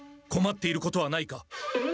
こまっていることはないか？